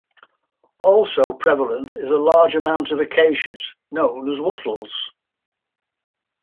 Also prevalent is a large amount of acacias, known as wattles.